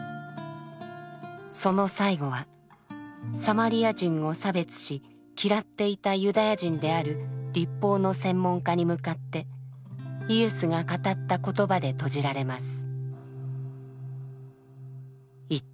その最後はサマリア人を差別し嫌っていたユダヤ人である律法の専門家に向かってイエスが語った言葉で閉じられます。